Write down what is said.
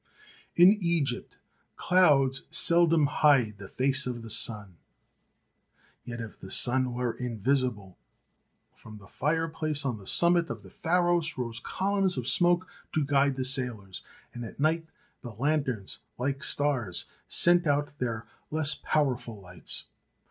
In Egypt clouds seldom hide the face of the sun, yet if the sun were invisible, from the fireplaces on the summit of the Pharos rose columns of smoke to guide the sailors, and at night the lanterns, like stars, sent out their less powerful lights.